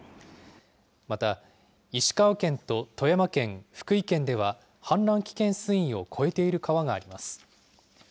また、石川県と富山県、福井県では、氾濫危険水位を超えている川があります。